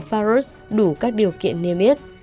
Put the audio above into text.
farus đủ các điều kiện niêm yết